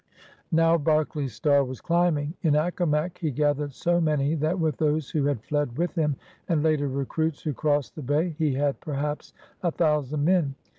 Now Berkeley's star was climbing. In Accomac he gathered so many that, with those who had fled with him and later recruits who crossed the Bay, he had perhaps a thousand men.